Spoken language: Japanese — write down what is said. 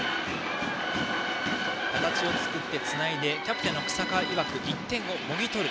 形を作ってつないでキャプテンの日下いわく１点をもぎ取る。